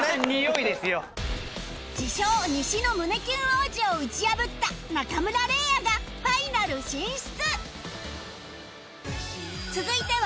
自称西の胸キュン王子を打ち破った中村嶺亜がファイナル進出